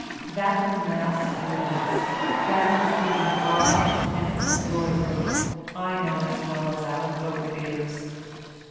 That the mass bleeds, that it is being robbed and exploited, I know as well as our vote baiters.